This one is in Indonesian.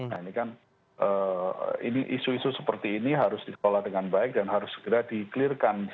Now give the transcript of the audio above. nah ini kan isu isu seperti ini harus dikelola dengan baik dan harus segera di clear kan